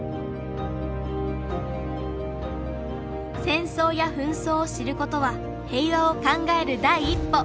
戦争や紛争を知ることは平和を考える第一歩。